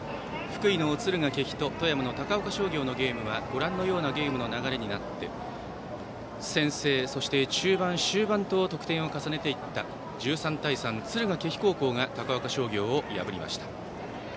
福井の敦賀気比と富山の高岡商業のゲームはご覧のようなゲームの流れになって先制、そして中盤、終盤と得点を重ねていって、１３対３敦賀気比高校が高岡商業を破りました。